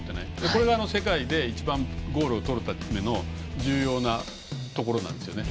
これが世界で一番ゴールを取るために重要なんですね。